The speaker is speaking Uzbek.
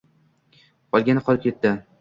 qolgani qolib ketdi.